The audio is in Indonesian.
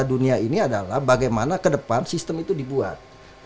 piala dunia ini adalah bagaimana kedepan sistem itu dibuat